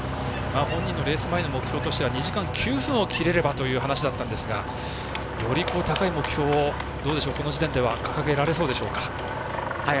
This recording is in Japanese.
本人のレース前の目標は２時間９分を切れればという話だったんですがより高い目標を、この時点では掲げられそうでしょうか。